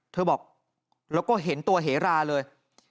เธอบอกแล้วก็เห็นตัวเหราเลย